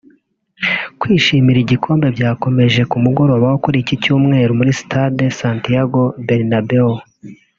Kwishimira igikombe byakomeje ku mugoroba wo kuri iki Cyumweru muri stade Santiago Bernabeu